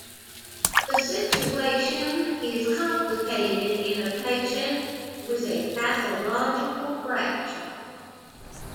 The situation is complicated in a patient with a pathological fracture.